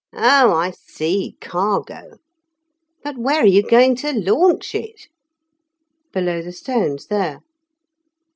"Oh, I see; cargo. But where are you going to launch it?" "Below the stones there."